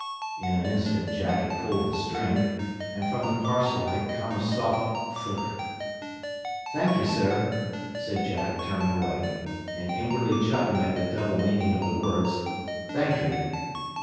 In an instant Jack had pulled the string, and from the parcel had come a soft "thugk!" "Thank you, sir," said Jack, turning away, and inwardly chuckling at the double meaning of the words. "Thank you."